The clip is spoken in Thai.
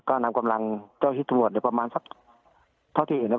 ก็นำกำลังเจ้าที่ตรวจประมาณสักเท่าที่เห็นเนี่ย